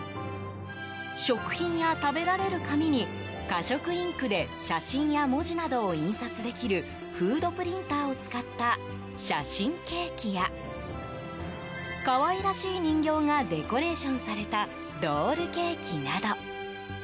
食品や食べられる紙に可食インクで写真や文字などを印刷できるフードプリンターを使った写真ケーキや可愛らしい人形がデコレーションされたドールケーキなど。